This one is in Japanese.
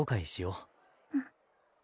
うん。